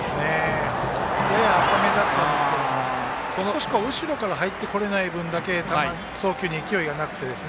やや浅めだったんですけれど少し後ろから入ってこれない分だけ送球に勢いがなくて。